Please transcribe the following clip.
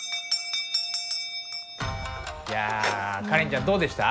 いやカレンちゃんどうでした？